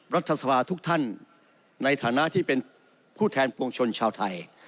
รัฐสภาทุกท่านในฐานะที่เป็นผู้แทนปวงชนชาวไทย